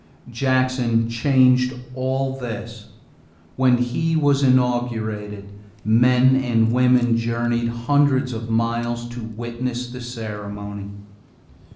Jackson changed all this. When he was inaugurated, men and women journeyed hundreds of miles to witness the ceremony.